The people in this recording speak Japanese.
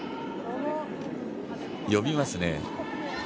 呼びますね。